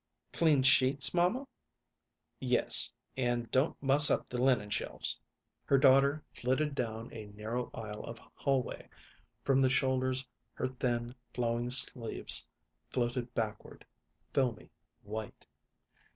"Clean sheets, mamma?" "Yes; and don't muss up the linen shelfs." Her daughter flitted down a narrow aisle of hallway; from the shoulders her thin, flowing sleeves floated backward, filmy, white.